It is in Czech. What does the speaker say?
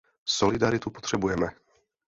Solidaritu potřebujeme.